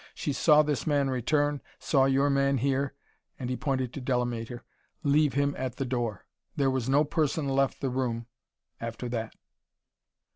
She saw this man return, saw your man, here" and he pointed to Delamater "leave him at the door. There was no person left the room after that."